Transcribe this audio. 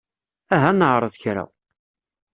Aha ad neɛreḍ kra.